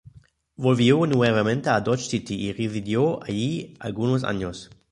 Volvió nuevamente a Dodge City y residió allí algunos años.